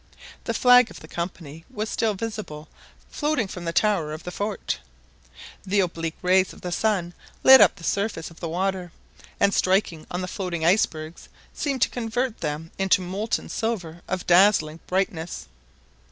The flag of the Company was still visible floating from the tower of the fort. The oblique rays of the sun lit up the surface of the water, and striking on the floating icebergs, seemed to convert them into molten silver of dazzling brightness.